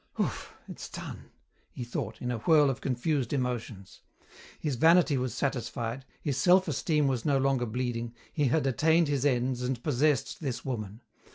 "Oof! it's done," he thought, in a whirl of confused emotions. His vanity was satisfied, his selfesteem was no longer bleeding, he had attained his ends and possessed this woman.